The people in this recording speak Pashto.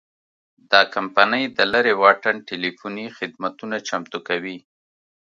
دا کمپنۍ د لرې واټن ټیلیفوني خدمتونه چمتو کوي.